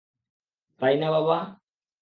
তাই না, বাবা?